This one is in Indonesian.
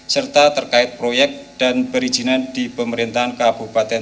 serta terkait proyek dan perizinan di pemerintahan kabupaten